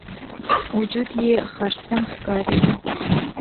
وجود یې خرسن ښکارېده.